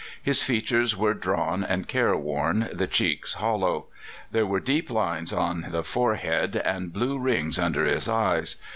His features were drawn and care worn, the cheeks hollow; there were deep lines on the forehead, and blue rings under his eyes.